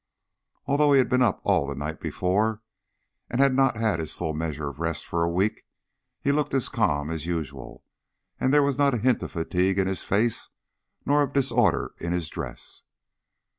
Although he had been up all the night before and had not had his full measure of rest for a week, he looked as calm as usual, and there was not a hint of fatigue in his face nor of disorder in his dress.